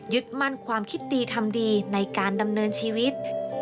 มั่นความคิดดีทำดีในการดำเนินชีวิต